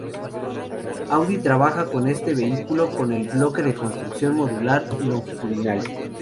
Audi trabaja con este vehículo con el "bloque de construcción modular longitudinal".